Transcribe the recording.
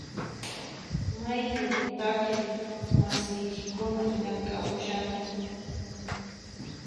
Maypin takiq masiykikuna llamk'amushanku?